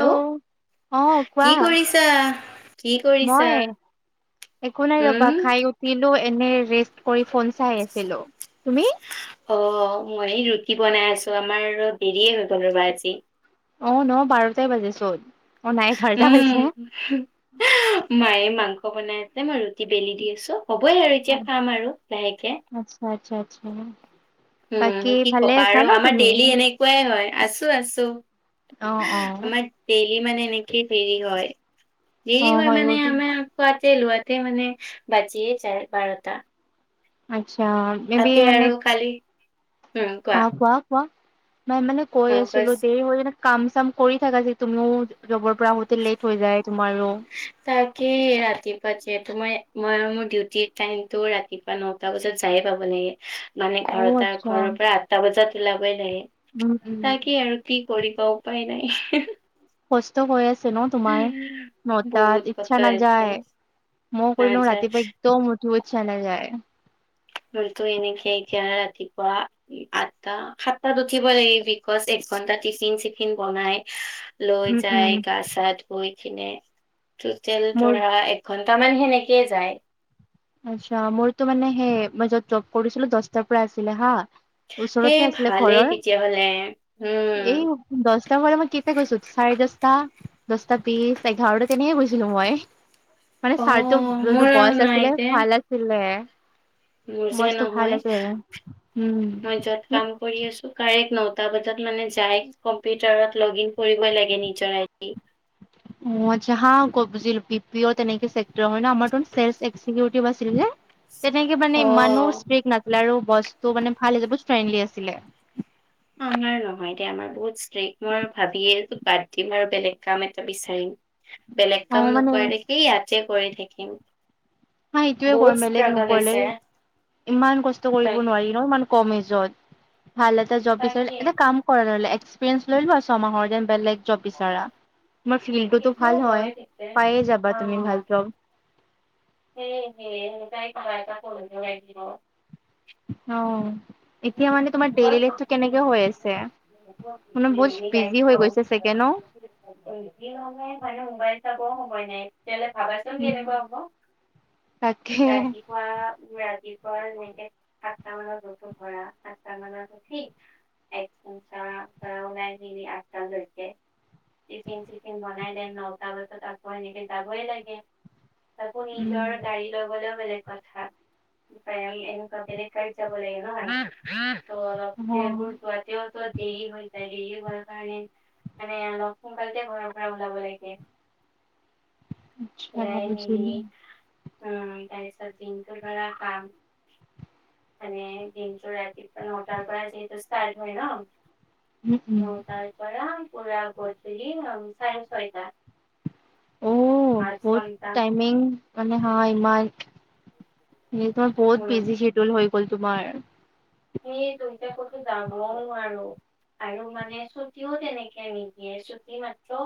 Hello, অ' কি কোৱা কৰিছা-কি কৰিছা। মই একো নাই উম, ৰ'বা, খাই উঠিলো এনে ৰেষ্ট কৰি ফোন চাই আছিলো, তুমি। অ', মই সেই ৰুটি বনাই আছো, আমাৰ অলপ দেৰিয়ে হৈ গ'ল ৰ'বা আজি। অ', ন বাৰটাই বাজে চোন, অ', নাই এঘাৰটা উম, বাজে। মায়ে মাংস বনাই আছে, মই ৰুটি বেলি দি আছো, হ'বই আৰু এ এতিয়া খাম আৰু লাহেকে। অ', আতছা-আতছা। উম, কি ক'বা আৰু আমাৰ তুমি? ডেইলি এনেকুৱাই হয়, আছো-আছো। অ', অ'। ডেইলি মানে এনেকেই দেৰি হয়, দেৰি অ' হয় মানে গ'ল। আমাৰ খোৱাতে লোৱাতে মানে বাজিয়েই যায় বাৰটা। আচ্ছা। মে বি তাকে মানে আৰু কালি উম, কোৱা হা খোৱা-খোৱা, মই মানে কৈ অ', আছিলো কৈছ দেৰি হৈ কিনে কাম চাম কৰি থাকা যে, তুমিও জবৰ পৰা আহোতে লেট হৈ যায় তোমাৰো। তাকে ৰাতিপুৱা যে,, তোমাৰ মই আৰু মোৰ ডিউটিৰ টাইমটো ৰাতি পুৱা নটা বজাত যায়ে পাব লাগে। মানে ঘৰৰ অ' পা আৰু আচ্ছা ঘৰৰ পৰা আঠটা বজাত ওলাবই লাগে, উম উম। তাকেই আৰু। কি কৰিব উপায় নাই। কষ্ট হৈ আছে ন তোমাৰ, বহুত নটাত ইচ্ছা কথা আছে নাযায়। মইও কৰিলওঁ নাযায় ৰাতিপুৱা একদম উঠিব ইচ্ছা নাযায়। [unintelligible] ত' এনেকে এতিয়া ৰাতিপুৱা আঠটা, সাতটাত উঠিব লাগে বিকছ এক ঘন্টা টিফিন চিফিন বনাই লৈ উম যায় উম গা চা ধুই কিনে, টোতেল মোৰ ধৰা এঘন্টামান সেনেকেই যায়। আচ্ছা, মোৰতো মানে সেই মই য'ত জব কৰিছিলো দচটাৰ পৰা আছিলে হা। সেই ওচৰতে আছিলে ভালেই ঘৰৰ, তেতিয়াহলে উম এই দচটা পৰা মই কেতিয়া গৈছো, চাৰেদচটা। দচটা বিছ, এঘাৰটা তেনেকে গৈছিলো মই, মানে ছাৰটো অ', যোনটো মোৰ আৰু বছ নাই আছিলে দে, [unintelligible] মোৰ যে বস্তু ভাল নহয়, এইটোৱে, উম। মই য'ত ন কাম কৰি আছো, কাৰেক্ট নটা বজাত মানে যায়, কম্পিউটাৰত লগ ইন কৰিব লাগে নিজৰ I D. [unintelligible] B P O তেনেকে ছেক্টৰ হয় ন, আমাৰটো ছেলচ এক্জিকিউটিভ আছিল যে। তেনেকে মানে ইমানো অ'। ষ্ট্ৰিক নাছিলে আৰু বছটো মানে ভাল আছিলে, বহুত ফ্ৰেণ্ডলি আছিলে। আমাৰ নহয় দে, আমাৰ বহুত ষ্ট্ৰিকট, মই আৰু ভাবিয়ে আছোঁ বাদ দিম আৰু বেলেগ কাম এটা বিচাৰিম। বেলেগ কাম অ', মানে নোপোৱা দেখি ইয়াতে কৰি থাকিম। মই এইটোয়ে বহুত কৰিম, বেলেগ ষ্ট্ৰাগল হৈছে, নকৰিলেও। ইমান কষ্ট কৰিব তাক নোৱাৰি ন, ইমান কম এজত, ভাল এটা জব তাকে, বিচাৰিলে এটা কাম কৰা নহ'লে এক্সপিৰিয়েঞ্চ লৈ লোৱা ছমাহৰ ডেন বেলেগ জব বিচাৰা, তোমাৰ ফিল্ডটোতো সেইটো ভাল হয় পিছে। পাইয়ে যাবা অ', তুমি অ', ভাল জব। [unintelligible] অ'। এতিয়া মানে তোমাৰ ডেইলি লাইফটো কেনেকে হৈ আছে, মানে বহুত বিজি হৈ গৈছে চাগে ন। [unintelligible] মানে মোবাইল চাবও সময় নাই। তেতিয়াহ'লে ভাবাচোন উম। কেনেকুৱা হ'ব, তাকে ৰাজি [unintelligible] ঠিক এঘণ্টা [unintelligible] ওলাই মেলি আঠটা লৈকে চিফিন চিফিন বনাই ডেন নটা বজাত আকৌ এনেকে যাবই লাগে। তাকো উম নিজৰ গাড়ী লৈ গ'লেও বেলেগ কথ থা, [unintelligible] এনেকুৱা বেলেগ গাড়ীত যাব লাগে ন। ত' অলপ অ [unintelligible] দেৰি হয় দেৰিয়ে হয় কাৰণে মানে অলপ সোনকালতে ঘৰৰ পৰা ওলাব লাগে। আচ্ছা ওলাই মেলি বুজিলো উম, তাৰপিছত দিনটোৰ পৰা কাম, মানে দিনটো ৰাতিপুৱা নটাৰ পৰা যিহেতু ষ্টাৰ্ট হয় ন। উম, উম। [unintelligible] পুৰা গধুলি চাৰে ছয়টা। অ', আঠ বহুত ঘন্টা টাইমিং মানে হা ইমান এই তোমাৰ বহুত উম বিজি চিদুল হৈ গ'ল তোমাৰ। সেয়েটো এতিয়া ক'তো যাবও নোৱাৰো। আৰু মানে ছুটিও তেনেকে নিদিয়ে, ছুটি মাত্ৰ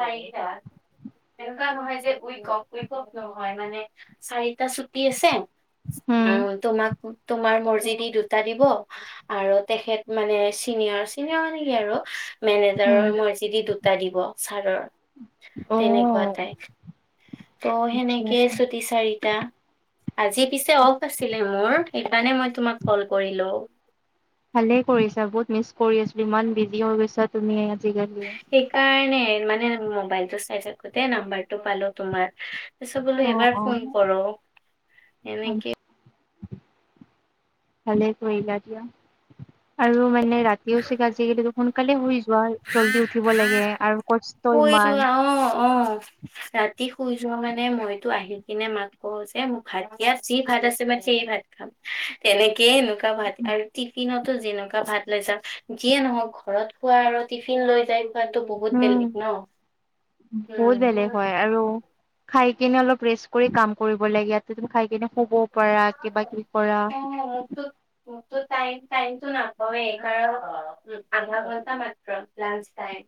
চাৰিটা। এনেকুৱা নহয় যে, উইকক উইকত নহয় মানে, চাৰিটা ছুটি আছে হম অ', তোমাক তোমাৰ মৰ্জি দি দু টা দিব আৰু তেখেত মানে চিনিয়ৰ- চিনিয়ৰ মানে কি আৰু হম মেনেজাৰৰ মৰ্জি দি দুটা দিব ছাৰৰ, অ তেনেকুৱা টাইপ। ত' আচ্ছা সেনেকে আচ্ছা ছুটি চাৰিটা। আজি পিছে অফ আছিলে মোৰ, সেইকাৰণে মই তোমাক কল কৰিলো। ভালেই কৰিছা, বহুত মিছ কৰি আছিলো ইমান বিজি হৈ গৈছা তুমি আজিকালি। সেইকাৰণে, মানে মোবাইলটো চাই থাকোতে নাম্বাৰটো পালো তোমাৰ। পিছত বোলে অ এবাৰ অ ফোন কৰো, এনেকে আচ্ছা ভালে কৰিলা দিয়া, আৰু মানে ৰাতিও চাগে আজি কালি সোনকালে শুই যোৱা, জল্দি উঠিব লাগে আৰু কচ শুই [unintelligible] অ', অ'। ৰাতি শুই যোৱা মানে মইতো আহি কিনে মাক কওঁ যে মোক ভাত দিয়া যি ভাত আছে মই সেয়ে ভাত খাম, তেনেকেই এনেকুৱা ভাত আৰু টিফিনতো যেনেকুৱা ভাত লৈ যাওঁ, যিয়ে নহওঁক ঘৰত খোৱা আৰু টিফিন লৈ যাই খোৱাতো বহুত উম বেলেগ। ন উম, বহুত বেলেগ মোৰতো হয় আৰু খাই কিনে অলপ ৰেষ্ট কৰি কাম কৰিব লাগে, ইয়াতে তুমি খাই কেনে শুবও পাৰা কিবা কিবি কৰা। অ', [unintelligible] টাইম টাইমটো নাপাওঁ এ কাৰন, আধা ঘণ্টা মাত্ৰ লাঞ্চ টাইম।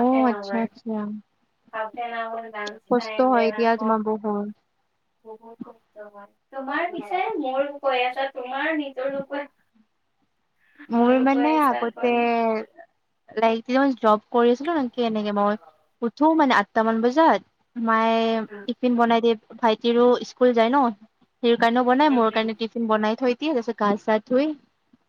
অ এন আচ্ছা আৱাৰ, আচ্ছা হাফ এন আৱাৰ লাঞ্চ কষ্ট টাইম হয় দেন দিয়া আকৌ তোমাৰ বহুত। বহুত কষ্ট হয়, তোমাৰ পিছে মোৰ কৈ আছা তোমাৰ নিজৰ [unintelligible] [inaudible] মোৰ কৈ মানে আছা আগতে আকৌ লাইক [unintelligible] মই জব কৰি আছিলো ন কি এনেকে মই উঠো মানে আঠটা মান বজাত। মায়ে টিফিন বনাই দিয়ে, ভাইটিৰো স্কুল যায় ন। টিৰ কাৰণেও বনাই, মোৰ কাৰণে আমাৰতো টিফিন বনাই থৈ দিয়ে, তাৰপিত গা চা ধুই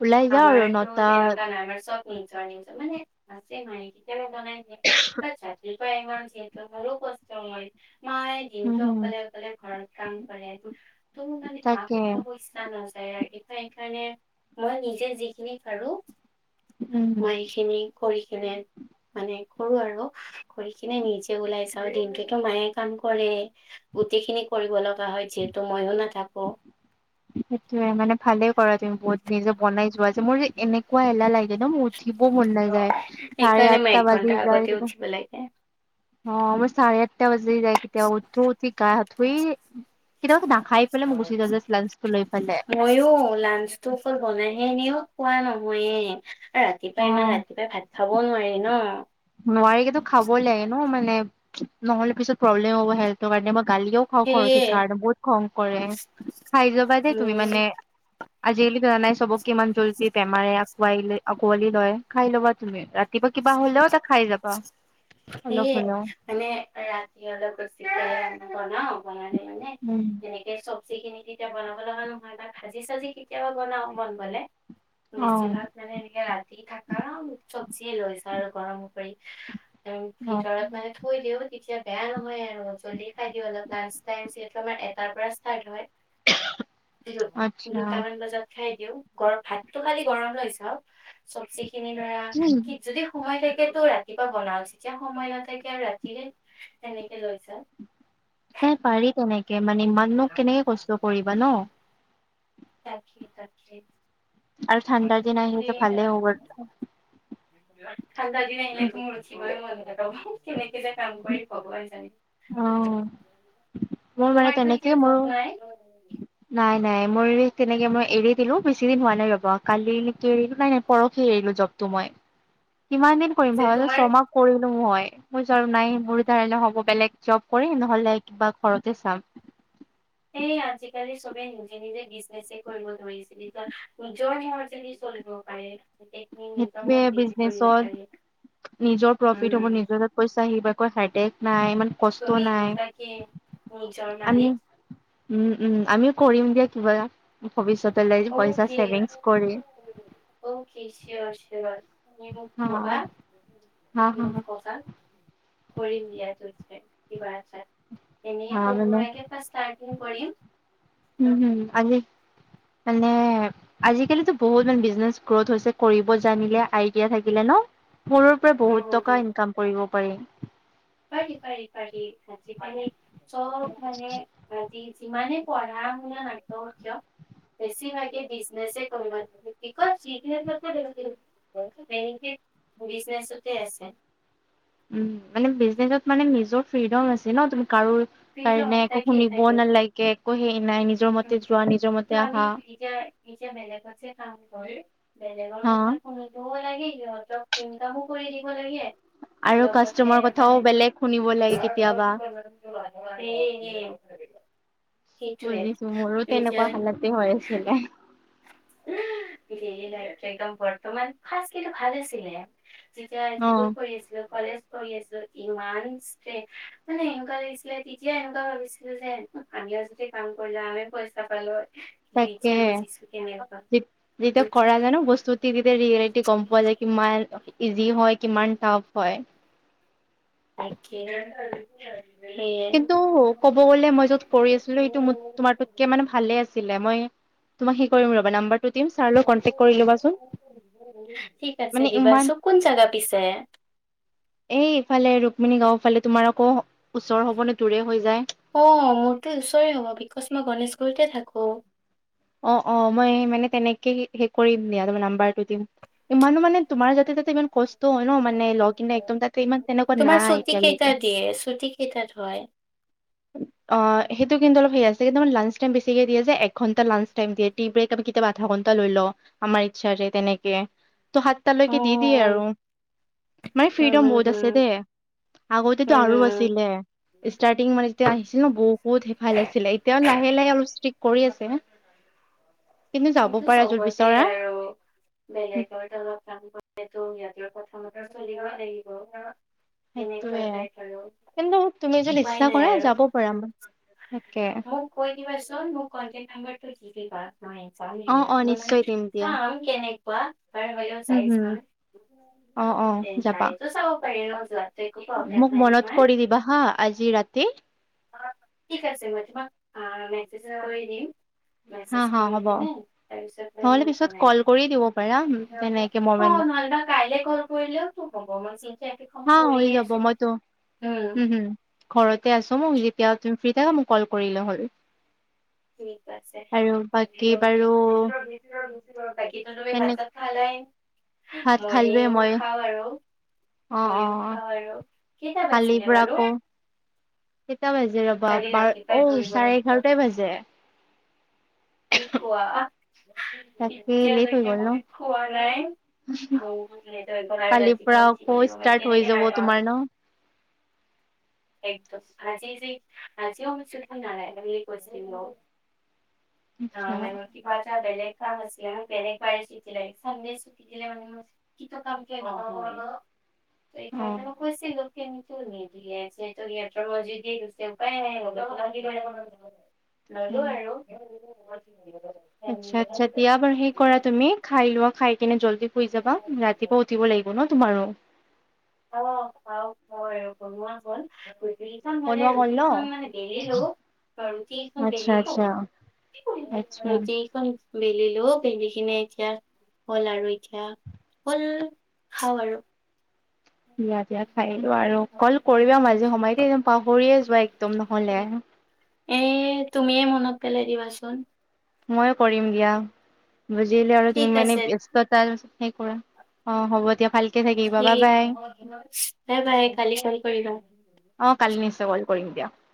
ওলাই যাওঁ আৰু আমাৰটো নটা তেনেকা নাই, আমাৰ চব ইণ্টাৰনেট মানে [unintelligible] [unintelligible] বনাই দিয়ে, ৰাতিপুৱা ইমান [unintelligible] কষ্ট হয় [unintelligible] উম দিনটো হম অকলে- অকলে ঘৰত কাম কৰে, [unintelligible] মানে মা তাকে কথা কৈছ [unintelligible] নাযায় আৰু এতিয়া এইকাৰণে মই নিজে যিখিনি পাৰো, উম মই সেইখিনি কৰি কিনে মানে কৰো আৰু কৰি কিনে নিজে ওলাই যাওঁ, দিনটোটো মায়ে কাম কৰে। গোটেইখিনি কৰিব লগা হয় যিহেতু, মইয়ো নাথাকো। সেইটোয়ে, মানে ভালে কৰা তুমি বহুত নিজে বনাই যোৱা যে, মোৰ যে এনেকুৱা এলাহ লাগে ন মোৰ। উঠিব মন নাযায়, চাৰে সেইকাৰণে মই আঠটা এক বাজি ঘন্টা যায় আগতে [unintelligible] উঠিব লাগে অ', মোৰ চাৰে আঠটা বাজি যায় কেতিয়াবা, উঠো উঠি গা শুই কেতিয়াবাটো নাখা ময়ো লাঞ্চ ত' অকল বনাই হে নিওঁ, খোৱা নহয়ে আৰু অ ৰাতিপুৱাই ইমান ৰাতিপুৱাই ভাত খাব নোৱাৰি ন। নোৱাৰিলেওতো খাবই লাগে ন মানে, নহ'লে পিছত প্ৰব্লেম হ'ব হেল্থৰ কাৰণে মই গালিও খাওঁ সেয়ে [unintelligible] কাৰণে বহুত খং কৰে, খাই যাবা দেই তুমি মোৰ মানে [inaudible] আজিকালিতো জানাই চবকে ইমান জল্দি বেমাৰে আকোৱাই আকোৱালি লয়, খাই ল'বা তুমি ৰাত কিবা- কিবা হ'লেও তাক সেইয়ে, মানে ৰাতি অলপ বেছিকে বনাও বনালে মানে উম, এনে এই চব্জি খিনি তেতিয়া বনাব লগা নহয়, ত' ভাজি চাজি কেতিয়াবা বনাও মন গ'লে। অ', বেছিভাগ মানে এনেকে ৰাতি থকা চব্জিয়ে লৈ যাওঁ আৰু গৰম কৰি, অ', ভিতৰত মানে থৈ দিও তেতিয়া বেয়া নহয় আৰু আৰু জল্দি খাই দিওঁ, লাঞ্চ টাইম যিহেতু আমাৰ এটাৰ পৰা ষ্টাৰ্ট হয়। [unintelligible] আচ্ছা। দুটা মান বজা খাই দিওঁ, গৰ ভাতটো খালি গৰম লৈ যাওঁ, চবজি খিনি উম, ধৰা যদি সময় থাকেতো ৰাতিপুৱা বনাও, যেতিয়া সময় নাথাকে আৰু ৰাতিৰে তেনেকে লৈ যাওঁ। এই পাৰি তেনেকে মানে, ইমাননো কেনেকে কষ্ট কৰিবা ন। তাকে-তাকে। আৰু ঠাণ্ডাৰ দিন আহি আছে ভালে হ'ব ঠাণ্ডাৰ দিন আহিলে মোৰ উঠিবয়ে মন নাযাব। কেনেকে যে কাম কৰিম ভগবান জানে। অ', মোৰ মানে তোমাৰতো এতিয়া তেনেকে জব মোৰো নাই নাই- নাই, মোৰ এই তেনেকে মই এৰি দিলো, বেছি দিন হোৱা নাই ৰ'ব কালি কেদিন মানে পৰহি এৰিলো জবটো মই, কিমান দিন কৰিম পিছে ভাবাচোন, তোমাৰ ছমাহ কৰিলো মই, মই কৈছোঁ আৰু নাই মোৰ দ্বাৰা নহ'ব বেলেগ জব কৰিম, নহ'লে কিবা ঘৰতে চাম। এই আজিকালি চবে নিজে- নিজে বিজনেচে কৰিব ধৰিছে, নিজৰ- নিজৰ [unintelligible] চলিব পাৰে। গোটেইখিনি নিজৰ সেইটোৱে মৰ্জিদি কৰিব পাৰে বিজনেচত নিজৰ প্ৰফিট হ'ব, উম নিজৰ পইচা আহিব একো হেডেক নাই, ইমান কষ্ট তুমি নাই [unintelligible] নিজৰ আমি মালিক। উম, উম, আমিও কৰিম দিয়া কিবা, ভৱিষ্যতলে, পইচা অ'কে ছেভিংছ কৰি। অকে চিঅ'ৰ- চিঅ'ৰ। তুমি মোক হা ক'বা, হা হা মোক ক'বা। কৰিম দিয়া দুইজনীয়ে কিবা এটা, এনে হা মানে সৰু-সুৰাকে পা ষ্টাৰ্টিং কৰিম। উম হুম আমি মানে আজি-কালিতো বহুত মানে বিজনেচ গ্ৰথ হৈছে, কৰিব জানিলে আইডিয়া থাকিলে ন? সৰুৰ পৰা বহুত টকা ইনকাম কৰিব পাৰি। পাৰি, পাৰি, পাৰি আজি-কালি চব মানে বা যি যিমানে পঢ়া-শুনা নাথাকক কিয় বেছি ভাগে বিজনেছে কৰিব [unintelligible] কি কয় [unintelligible] বেনিফিট বিজনেছতে আছে। উম মানে বিজনেচত মানে নিজৰ ফ্ৰীডম আছে ন, তুমি কাৰো ফ্ৰীডম কাৰণে একো তাকে শুনিবও তাকে নালাগে, একো হেই নাই, নিজৰ মতে যোৱা নিজৰ ত মতে আমি আহা। এতিয়া নিজে বেলেগত যে কাম হয় বেলেগৰ কথা হা শুনিবও লাগে, সিহঁতক ইনকামো কৰি দিব লাগে। আৰু লগতে কাষ্টামাৰ কথাও মানে বেলেগ শুনিব লাগে কেতিয়াবা। এ এ সেইটোৱে, ৰিজাল্ট কি হয় আছিলে উম সেইয়াই আৰু একদম বৰ্তমান ফাষ্ট কিন্তু ভাল আছিলে। তেতিয়া অ স্কুল পঢ়ি আছিলো, কলেজ কৰি আছো ইমান ষ্টে মানে এনেকুৱা লাগিছিলে তেতিয়া এনেকুৱা ভাবিছিলো যে আমিও যদি কাম কৰিলো হয় আমিও পইচা পালো হয়। কিন্তু তাকে। এতিয়া বুজিছো। কেনেকুৱা যেতিয়া কৰা যায় ন বস্তু টিভিতে ৰিয়েলিটি গম পোৱা যায় কিমান ইজি হয় কিমান টাফ হয়। তাকে [unintelligible] কিন্তু ক'ব গ'লে মই য'ত কৰি আছিলো, সেইটো ম তোমাৰটোতকে মানে ভালে আছিলে। মই- তোমাক সেই কৰিম ৰ'বা, নাম্বাৰটো দিম। ছাৰৰ লগত কণ্টেক কৰি ল'বাচোন। ঠিক আছে মানে ইমান দিবাচো, কোন জেগা পিছে? এই এইফালে ৰুক্মিণী গাঁওফালে। তোমাৰ আকৌ ওচৰ হ'বনে দূৰে হৈ যায়। অ' মোৰতো ওচৰে হ'ব, বিকচ মই গণেশগুৰিতে থাকো। অ, অ মই মানে তেনেকে সে-সেই কৰিম দিয়া তাৰমানে নাম্বাৰটো দিম। ইমানো মানে তোমাৰ যাতে তাতে ইমান কষ্ট হয় ন। মানে [unintelligible] একদম তাতে ইমান তেনেকুৱা তোমাৰ নাই ছুটি কেইটা এতিয়ালৈকে। দিয়ে ছুটী কেইটাত হয়? অ সেইটো কিন্তু অলপ সে আছে। সেইটো মানে লাঞ্চ টাইম বেছিকে দিয়ে যে এক ঘণ্টা লাঞ্চ টাইম দিয়ে। টি ব্ৰেক আমি কেতিয়াবা আধা ঘণ্টা লৈ লও আমাৰ ইচ্ছাৰে, তেনেকে ত সাত অ তালৈকে দি দিয়ে আৰু। মানে হুম ফ্ৰীডম হুম বহুত হুম আছে দে। আগতেটো হুম আৰু হুম আছিলে। ষ্টাৰ্টিং মানে যেতিয়া আহিছিল ন বহুতে ভাল আছিলে। এতিয়াও লাহে লাহে অলপ ষ্ট্ৰিক কৰি আছে। কিন্তু যাব সেইটো পাৰা য'ত চবতে বিচৰা। আৰু বেলেগৰ তলত কাম কৰিলেটো সিহঁতৰ কথামতে চলিবই লাগিব। তেনেকুৱা সেইটোৱে। টাইপ আৰু কিন্তু তুমি যদি উপায় ইচ্ছা নাই কৰা আৰু যাব পাৰা, তাকে। মোক কৈ দিবাচোন মোক কণ্টেক্ট নাম্বাৰটো দি দিবা। মই চাম অ দিয়া অ মই মানে নিশ্চয় দিম দিয়া চাম। কেনেকুৱা। [unintelligible] উম যাই হুম চাও। অ অ তে যায়টো চাব পাৰি ন যোৱা মক মনত কৰি দিবা হা আজি ৰাতি। ঠিক আছে মই তোমাক আ মেজেজে কৰি দিম। মেজেজ কৰি অ কিনে তাৰপিছত তুমি নহ'লে মোক পিছত জনাই কল দিবা কৰি দিব পাৰা তেনেকে অ মবাইলত নহ'লে বা কাইলে কল কৰিলেওটো হ'ব। মই চেন্স হা হৈ যাব মইতো, উম, হুম। ঘৰতে আছো। মোক যেতিয়া তুমি ফ্ৰী থাকা মোক কল কৰিলে হ'ল। ঠিক আছে। আৰু বাকী বাৰু [unintelligible] বাকীটো তুমি তেনে ভাত-চাত খালাই? ভাত খালোৱে ময়েও মই খাওঁ আৰু। অ অ মইও খাও আৰু। কেইটা কালিৰ বাজিলে পৰা বাৰু? আকৌ কেইটা বাজি ৰ'বা কালি বাৰ ৰাতিপুৱাই অঔ দৌৰিব চাৰে লাগিব এঘাৰটাই বাজে। কি কোৱা? তাকে লেট হৈ এতিয়ালৈকে গ'ল ন মই খোৱা নাই। কালিৰ পৰা আকৌ ষ্টাৰ্ট হৈ যাব তোমাৰ ন। [unintelligible] একদম। আজি যি আজিও [unintelligible] বুলি কৈছিলো। অ আচ্ছা মানে কিবা এটা বেলেগ কাম আছিলে। তেনেকুৱাই [unintelligible] চানডে ছুটী দিলে মানে মোৰ কিটো কামকে [unintelligible] অ এইকাৰণে মই কৈছিলো কিন্তু নিদিয়ে। যিহেতু সিহঁতৰ মৰ্জিদি গৈছে উপায় নাই [unintelligible] ল'লো উম। আৰু। [unintelligible] আচ্ছা, আচ্ছা। দিয়া বাৰু সেই কৰা তুমি খাই লোৱা, খাই কিনে জল্দি শুই যাবা। ৰাতিপুৱা উঠিব লাগি ব ন তোমাৰো। অ খাওঁ মইও বনোৱা হ'ল। দুইখন হ'লে বনোৱা হ'ল ন দুইখন মানে বেলিলো, ৰুটিখন আচ্ছা বেলিলো। আচ্ছা [unintelligible] আচ্ছা। ৰুটি [unintelligible] বেলিলো বেলি কিনে এতিয়া হ'ল আৰু এতিয়া। হ'ল খাওঁ আৰু। দিয়া, দিয়া খাইলোৱা আৰু কল কৰিবা মাজে সময়ে দেই। পাহৰিয়ে যোৱা একদম নহ'লে। এ তুমিয়ে মনত পেলাই দিবাচোন। ময়ে কৰিম দিয়া। বুজিলো আৰু ঠিক তুমি মানে আছে ব্যস্ততাৰ সেই কৰা অ হ'ব দিয়া। ভাল ঠিক, বাই বাই কালি কল কৰিবা। অ কালি নিশ্চয় কল কৰিম দিয়া।